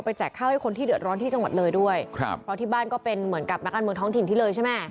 แจกข้าวให้คนที่เดือดร้อนที่จังหวัดเลยด้วยครับเพราะที่บ้านก็เป็นเหมือนกับนักการเมืองท้องถิ่นที่เลยใช่ไหม